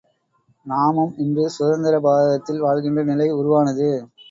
நாமும் இன்று சுதந்திர பாரதத்தில் வாழ்கின்ற நிலை உருவானது.